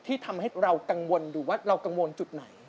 ที่ทำให้เรากังวลหรือว่าเรากังวลจุดไหน